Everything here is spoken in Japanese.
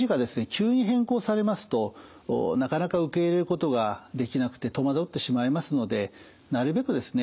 急に変更されますとなかなか受け入れることができなくて戸惑ってしまいますのでなるべくですね